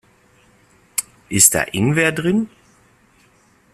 Ist da Ingwer drin?